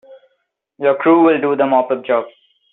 Your crew will do the mop up job.